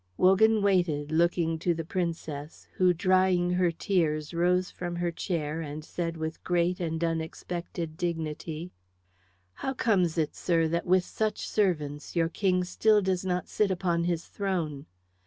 Wogan waited, looking to the Princess, who drying her tears rose from her chair and said with great and unexpected dignity, "How comes it, sir, that with such servants your King still does not sit upon his throne?